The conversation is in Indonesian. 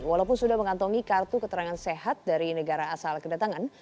walaupun sudah mengantongi kartu keterangan sehat dari negara asal kedatangan